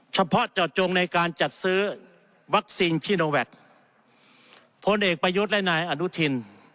เฉพาะเจาะจงในการจัดซื้อวัคซีนชิโนแวคพลเอกประยุทธ์และนายอนุทิน